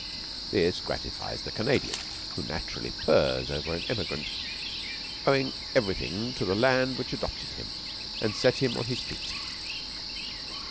This gratifies the Canadian, who naturally purrs over an emigrant owing everything to the land which adopted him and set him on his feet.